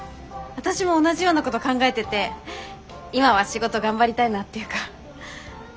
私も同じようなこと考えてて今は仕事頑張りたいなっていうか。